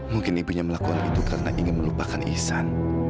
mungkin ibunya melakukan itu karena ingin melupakan ihsan